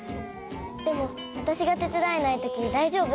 でもわたしがてつだえないときだいじょうぶ？